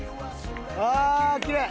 ああきれい！